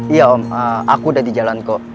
iya om aku udah di jalan kok